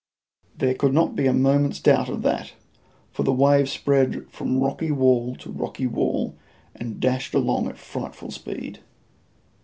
There could not be a moment's doubt of that, for the ware spread from rocky wall to rocky wall, and dashed along at frightful speed.